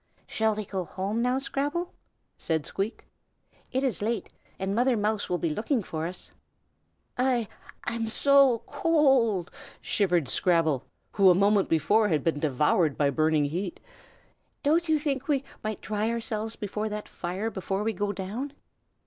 "Shall we go home now, Scrabble?" said Squeak. "It is late, and Mother Mouse will be looking for us." "I'm so c c c cold!" shivered Scrabble, who a moment before had been devoured by burning heat. "Don't you think we might dry ourselves before that fire before we go down?"